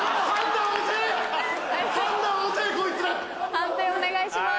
判定お願いします。